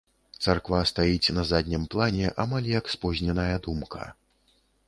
Царква стаіць на заднім плане, амаль як спозненая думка.